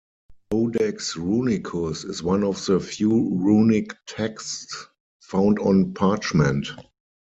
Codex Runicus is one of the few runic texts found on parchment.